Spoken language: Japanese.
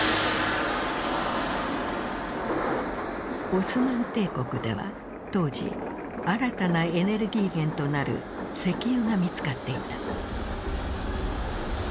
オスマン帝国では当時新たなエネルギー源となる石油が見つかっていた。